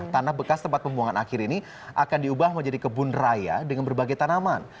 tanah bekas tempat pembuangan akhir ini akan diubah menjadi kebun raya dengan berbagai tanaman